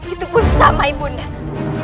itu pun sama ibu naya